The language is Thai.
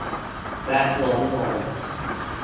และล้มลง